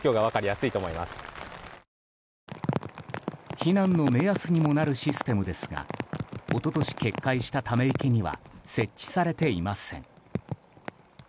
避難の目安にもなるシステムですが一昨年決壊した、ため池には設置されていません。